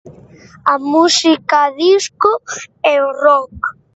A música disco e o rock.